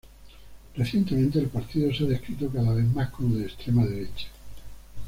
Recientemente, el partido se ha descrito cada vez más como de extrema derecha.